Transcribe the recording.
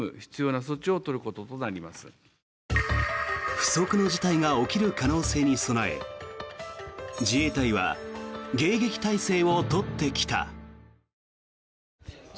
不測の事態が起きる可能性に備え自衛隊は迎撃態勢を取ってきた。